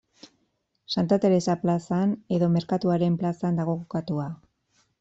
Santa Teresa plazan edo Merkatuaren plazan dago kokatuta.